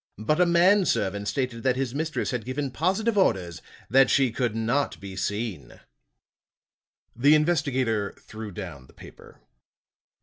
But a man servant stated that his mistress had given positive orders that she could not be seen." The investigator threw down the paper.